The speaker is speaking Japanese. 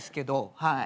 はい。